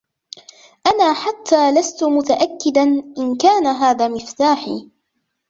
أنا حتىَ لستُ متأكداً إن كان هذا مفتاحي.